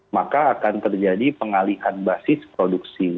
maka akan terjadi pengalihan basis produksi